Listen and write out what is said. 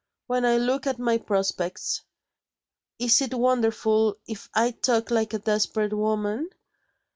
When I look at my prospects, is it wonderful if I talk like a desperate woman?